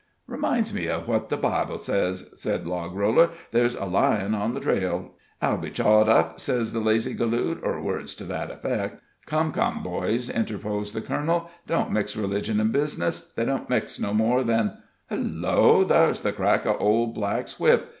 "Reminds me of what the Bible sez," said Logroller; "'there's a lion on the trail; I'll be chawed up, sez the lazy galoot,' ur words to that effect." "Come, come boys," interposed the colonel; "don't mix religion an' bizness. They don't mix no more than Hello, thar's the crack of Old Black's whip!